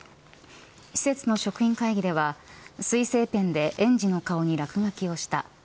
施設の職員会議では水性ペンで園児の顔に落書きをした。